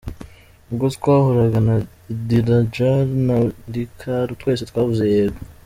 Ubwo twahuraga na Dilraj na Dilkar twese twavuze Yego.